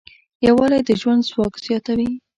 یووالی د ژوند ځواک زیاتوي.